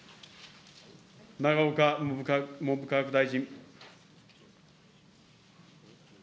永岡文部科学大臣。